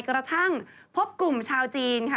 กระทั่งพบกลุ่มชาวจีนค่ะ